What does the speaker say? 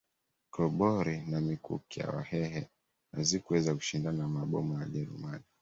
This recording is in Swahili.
Gobori na mikuki ya Wahehe hazikuweza kushindana na mabomu za Wajerumani